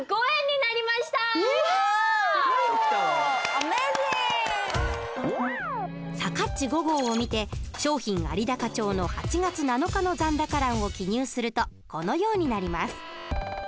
アメージング！さかっち５号を見て商品有高帳の８月７日の残高欄を記入するとこのようになります。